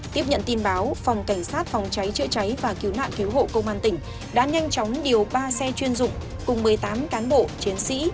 tiếp nhận tin báo phòng cảnh sát phòng cháy chữa cháy và cứu nạn cứu hộ công an tỉnh đã nhanh chóng điều ba xe chuyên dụng cùng một mươi tám cán bộ chiến sĩ